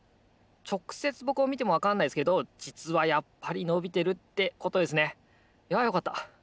ちょくせつぼくをみてもわかんないですけどじつはやっぱりのびてるってことですねいやよかった！